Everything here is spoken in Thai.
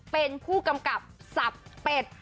เป็นผู้กำกับสับเป็ด